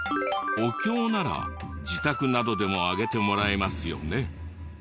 お経なら自宅などでもあげてもらえますよね。